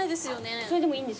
それでもいいんですか？